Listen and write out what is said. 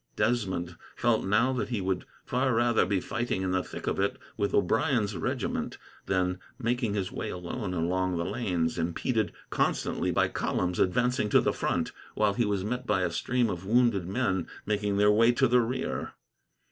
Desmond felt now that he would far rather be fighting in the thick of it, with O'Brien's regiment, than making his way alone along the lanes, impeded constantly by columns advancing to the front, while he was met by a stream of wounded men making their way to the rear.